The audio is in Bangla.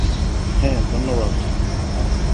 হ্যাঁ, ধন্যবাদ।